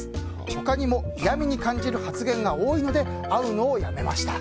他にも嫌みに感じる発言が多いので会うのをやめました。